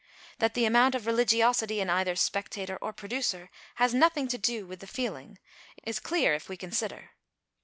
That the amount of religiosity in either spectator or producer has nothing to do with the feeling is clear if we consider.